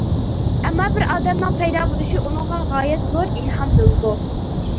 ئەمما بىر ئادەمنىڭ پەيدا بولۇشى ئۇنىڭغا غايەت زور ئىلھام بولىدۇ.